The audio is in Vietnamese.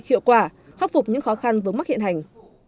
hiệu quả khắc phục những khó khăn vướng mắc hiện hành